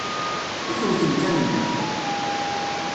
I tewtem kan nneḥ?